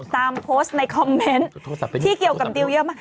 ตามโพสต์ในคอมเมนต์ที่เกี่ยวกับดิวเยอะมาก